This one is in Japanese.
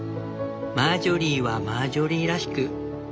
「マージョリーはマージョリーらしく」